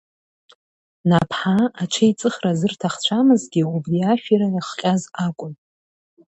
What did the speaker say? Наԥҳаа аҽеиҵыхра зырҭахцәамзгьы убри ашәира иахҟьаз акәын.